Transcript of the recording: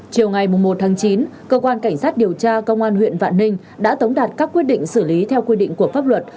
chiều ngày một tháng chín cơ quan cảnh sát điều tra công an huyện vạn ninh đã tống đạt các quyết định xử lý theo quy định của pháp luật